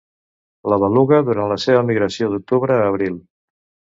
La beluga durant la seva migració d'octubre a abril.